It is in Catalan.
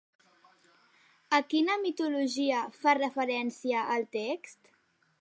A quina mitologia fa referència el text?